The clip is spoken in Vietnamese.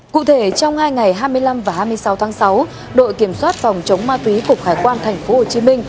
cụ thể trong hai ngày hai mươi năm và hai mươi sáu tháng sáu đội kiểm soát phòng chống ma túy cục hải quan tp hcm